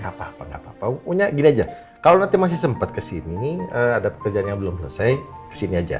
apa apa enggak apa apa punya gini aja kalau nanti masih sempat kesini ada pekerjaan yang belum selesai kesini aja